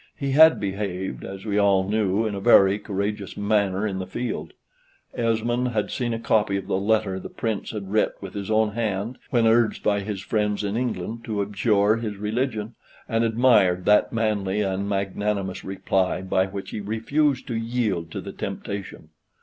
He had behaved, as we all knew, in a very courageous manner on the field. Esmond had seen a copy of the letter the Prince had writ with his own hand when urged by his friends in England to abjure his religion, and admired that manly and magnanimous reply by which he refused to yield to the temptation.